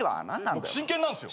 僕真剣なんすよ。